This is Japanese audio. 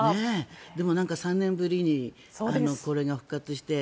でも、３年ぶりにこれが復活して。